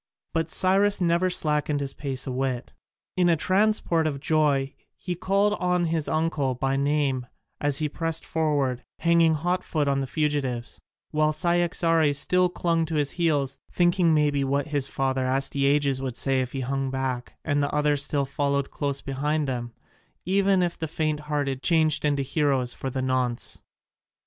But Cyrus never slackened his pace a whit: in a transport of joy he called on his uncle by name as he pressed forward, hanging hot foot on the fugitives, while Cyaxares still clung to his heels, thinking maybe what his father Astyages would say if he hung back, and the others still followed close behind them, even the faint hearted changed into heroes for the nonce.